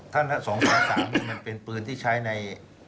ท่านค้า๒๐๒๓มันเป็นปืนที่ใช้ใน